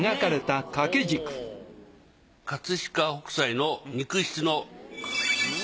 飾北斎の肉筆の。